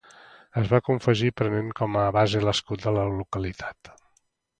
Es va confegir prenent com a base l'escut de la localitat.